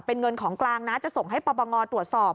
เป็นเงินของกลางนะจะส่งให้ปปงตรวจสอบ